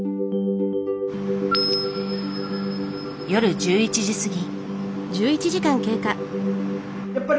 夜１１時過ぎ。